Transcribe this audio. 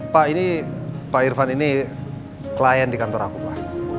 pak ini pak irvan ini klien di kantor aku pak